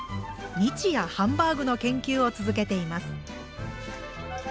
日夜ハンバーグの研究を続けています。